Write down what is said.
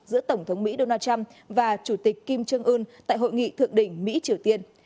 giữa tổng thống mỹ donald trump và chủ tịch kim trương ưn tại hội nghị thượng đỉnh mỹ triều tiên